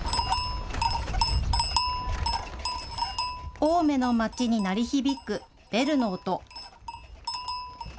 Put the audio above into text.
青梅の町に鳴り響くベルの音。